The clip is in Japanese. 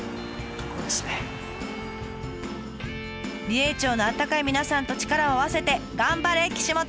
美瑛町のあったかい皆さんと力を合わせて頑張れ岸本さん！